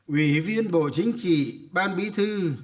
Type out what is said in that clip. quỷ viên bộ chính trị ban bí thư